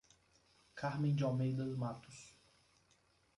Carmem de Almeida Matos